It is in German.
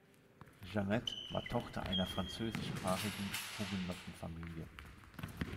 Jeanette war Tochter einer französischsprachigen Hugenottenfamilie.